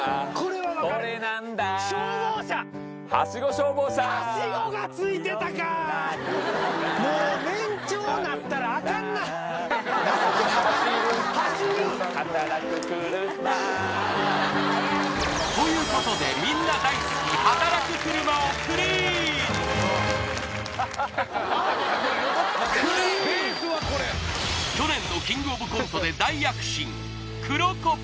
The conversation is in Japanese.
はたらくくるま！ということでみんな大好き去年のキングオブコントで大躍進